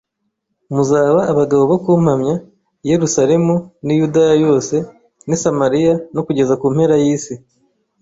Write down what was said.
muzaba abagabo bo kumpamya, i Yerusalemu n'i Yudaya yose n'i Samaria no kugeza ku mpera y'isi."